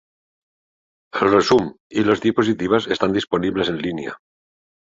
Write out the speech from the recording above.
El resum i les diapositives estan disponibles en línia.